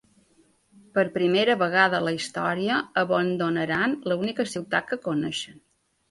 Per primera vegada a la història, abandonaran l’única ciutat que coneixen.